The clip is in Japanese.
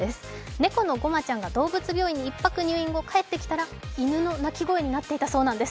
猫のごまちゃんが動物病院に１泊入院後、帰ってきたら犬の鳴き声になっていたそうなんです。